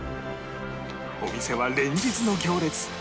お店は連日の行列